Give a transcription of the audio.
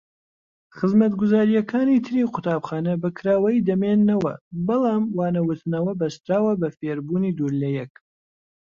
خزمەتگوزاریەکانی تری قوتابخانە بەکراوەیی دەمینێنەوە بەڵام وانەوتنەوە بەستراوە بە فێربوونی دوور لەیەک.